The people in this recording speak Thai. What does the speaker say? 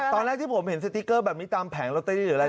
ตอนแรกที่ผมเห็นสติ๊กเกอร์แบบนี้ตามแผงลอตเตอรี่หรืออะไร